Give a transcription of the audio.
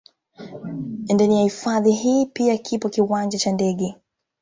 Ndani ya hifadhi hii pia kipo kiwanja cha ndege